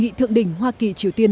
hội nghị thượng đỉnh hoa kỳ triều tiên